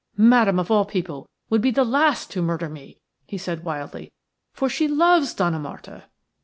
Madame of all people would be the last to murder me," he added, wildly, "for she loves Donna Marta."